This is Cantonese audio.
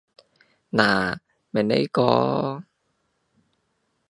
嗱！咪呢個！